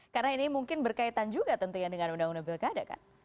karena ini mungkin berkaitan juga tentunya dengan undang undang pilkada kan